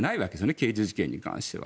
刑事事件に関しては。